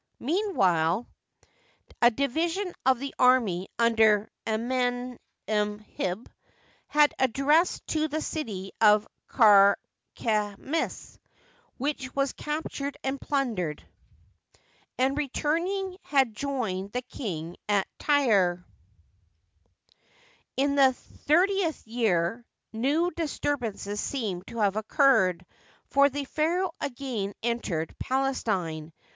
Meanwhile, a division of the army under AmenemAid had advanced to the city of Karkemish, which was captured and plundered, and returning had joined the king at Tyre, In the thirti eth year new disturbances seem to have occurred, for the pharaoh again entered Palestine.